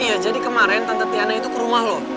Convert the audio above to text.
iya jadi kemarin tante tiana itu ke rumah loh